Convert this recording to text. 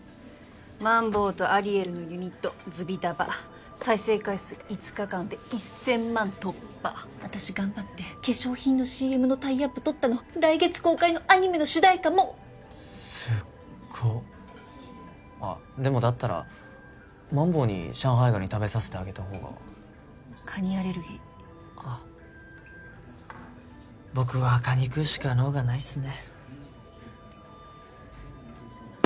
マンボウとアリエルのユニットＺＵＢＩＤＡＶＡ再生回数５日間で１０００万突破私頑張って化粧品のＣＭのタイアップ取ったの来月公開のアニメの主題歌もすっごあっでもだったらマンボウに上海ガニ食べさせてあげた方がカニアレルギーあっ僕はカニ食うしか能がないっすね